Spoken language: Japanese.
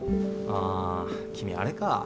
あ君あれか。